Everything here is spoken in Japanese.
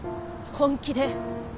本気で。